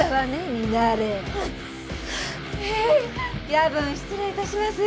夜分失礼致します。